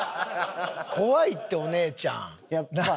怖いってお姉ちゃん！なあ？